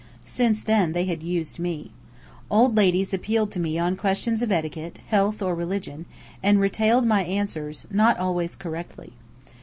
Since then they had used me. Old ladies appealed to me on questions of etiquette, health or religion, and retailed my answers, not always correctly.